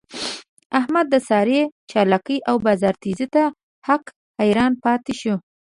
احمد د سارې چالاکی او بازار تېزۍ ته حق حیران پاتې شو.